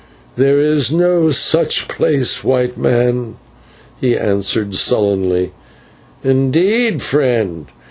"There is no such place, white man," he answered sullenly. "Indeed, friend!